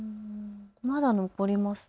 まだ残りますね。